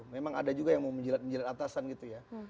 memang ada juga yang mau menjelat menjerat atasan gitu ya